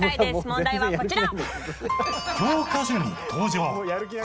問題はこちら。